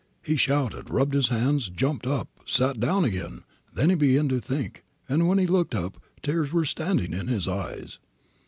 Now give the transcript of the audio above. He shouted, rubbed his hands, jumped up, sat down again, then he began to think, and when he looked up tears were standing in his eyes.